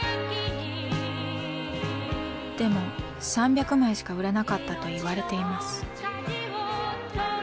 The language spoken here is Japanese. でも３００枚しか売れなかったといわれています。